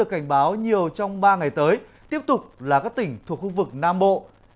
cảnh báo nhiều trong ba ngày tới tiếp tục là các tỉnh thuộc khu vực nam bộ